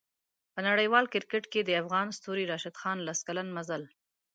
په نړیوال کریکټ کې د افغان ستوري راشد خان لس کلن مزل